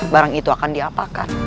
barang itu akan diapakan